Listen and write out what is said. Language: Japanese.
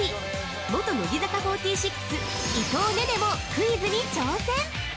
元乃木坂４６、伊藤寧々もクイズに挑戦！